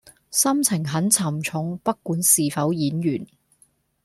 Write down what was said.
心情很沉重不管是否演員